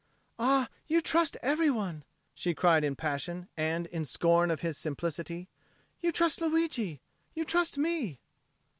"Ah, you trust every one!" she cried in passion and in scorn of his simplicity. "You trust Luigi! You trust me!"